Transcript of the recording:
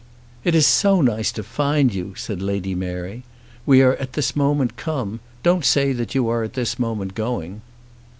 "It is so nice to find you," said Lady Mary. "We are this moment come. Don't say that you are this moment going."